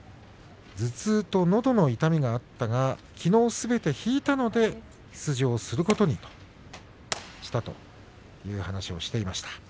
頭痛と、のどの痛みだったがきのうすべて引いたので出場することにしたという話をしていました。